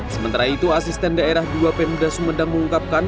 sementara itu asisten daerah dua pemda sumedang mengungkapkan